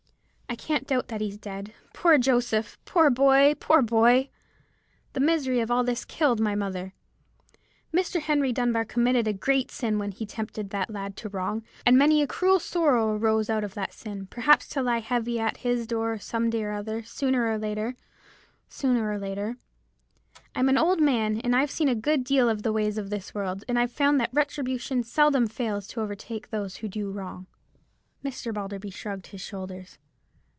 I can't doubt that he's dead. Poor Joseph!—poor boy!—poor boy! The misery of all this killed my mother. Mr. Henry Dunbar committed a great sin when he tempted that lad to wrong; and many a cruel sorrow arose out of that sin, perhaps to lie heavy at his door some day or other, sooner or later, sooner or later. I'm an old man, and I've seen a good deal of the ways of this world, and I've found that retribution seldom fails to overtake those who do wrong." Mr. Balderby shrugged his shoulders.